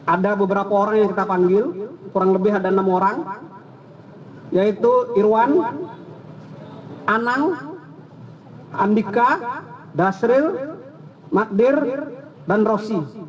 ada beberapa orang yang kita panggil kurang lebih ada enam orang yaitu irwan anang andika dasril magdir dan rosi